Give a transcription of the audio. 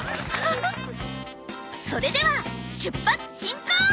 それでは出発進行！